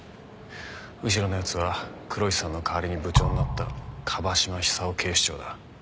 後ろの奴は黒石さんの代わりに部長になった椛島寿夫警視長だ。